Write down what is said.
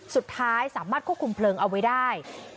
สุดท้ายสามารถควบคุมเพลิงเอาไว้ได้